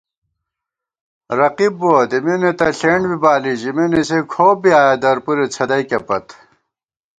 رقیب بُوَہ، دِمېنے تہ ݪېنڈ بی بالی، ژِمېنے سے کھوپ بی آیَہ، درپُرے څھدئیکےپت